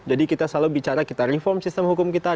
kita selalu bicara kita reform sistem hukum kita